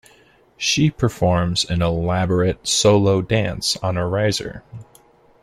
She performs an elaborate solo dance on a riser.